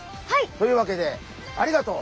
というわけでありがとう。